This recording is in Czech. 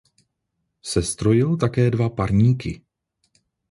Sestrojil také dva parníky.